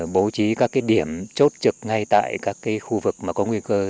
bố trí các điểm chốt trực ngay tại các khu vực có nguy cơ